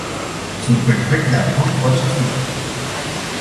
Sunt perfect de acord cu acest lucru.